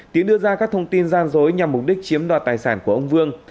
tiến đưa ra các thông tin gian dối nhằm mục đích chiếm đoạt tài sản của ông vương